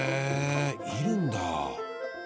煎るんだ。